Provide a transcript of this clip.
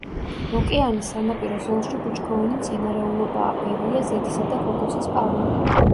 ოკეანის სანაპირო ზოლში ბუჩქოვანი მცენარეულობაა, ბევრია ზეთისა და ქოქოსის პალმა.